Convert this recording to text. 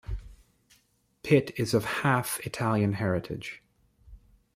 Pitt is of half Italian heritage.